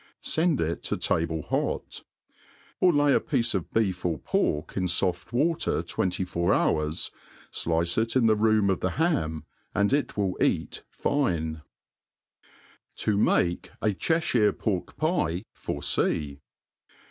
Send it to table hot. Or lay a piece of beef or pork in foft water twfenty four hours, • ftice it in the room of tho ham, and it will eat fine« ■f Tff mah a Cheftdre Pork^Piefor Sea*